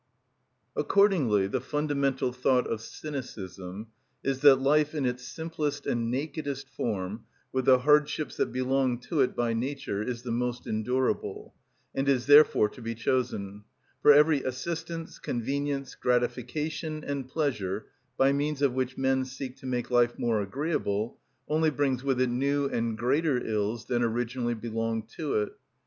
_) Accordingly the fundamental thought of cynicism is that life in its simplest and nakedest form, with the hardships that belong to it by nature, is the most endurable, and is therefore to be chosen; for every assistance, convenience, gratification, and pleasure by means of which men seek to make life more agreeable only brings with it new and greater ills than originally belonged to it.